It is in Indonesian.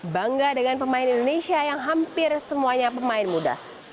bangga dengan pemain indonesia yang hampir semuanya pemain muda